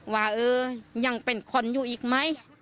ว่าเออยังเป็นคนอยู่อีกไหม